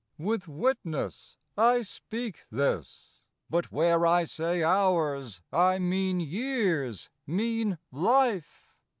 With witness I speak this. But where I say Hours I mean years, mean life.